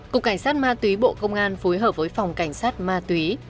cục cảnh sát ma túy bộ công an phối hợp với phòng cảnh sát ma túy